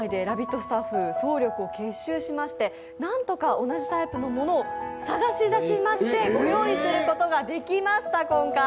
スタッフ総力を結集しまして、何とか同じタイプのものを探し出してご用意することが今回、できました。